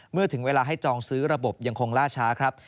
ถึงเวลาให้จองซื้อระบบยังคงล่าช้าครับ